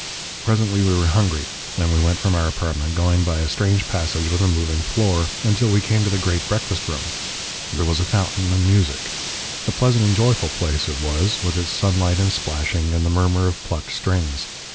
"Presently we were hungry and we went from our apartment, going by a strange passage with a moving floor, until we came to the great breakfast room there was a fountain and music. A pleasant and joyful place it was, with its sunlight and splashing, and the murmur of plucked strings.